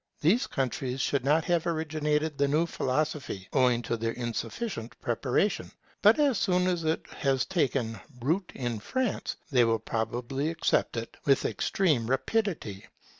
These countries could not have originated the new philosophy, owing to their insufficient preparation; but as soon as it has taken root in France, they will probably accept it with extreme rapidity.